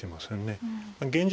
現状